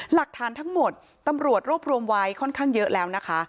หลักฐานทั้งหมดตำรวจรวบรวมไว้ค่อนข้างเยอะแล้วนะคะ